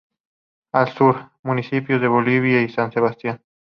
Al sur: Municipios de Bolívar y San Sebastián.